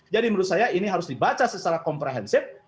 jadi menurut saya ini harus dibaca secara komprehensif